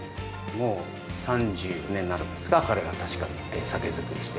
もう３０年になるんですか、彼が、たしか酒造りして。